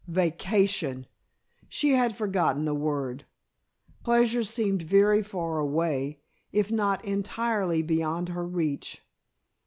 Vacation? She had forgotten the word. Pleasure seemed very far away, if not entirely beyond her reach.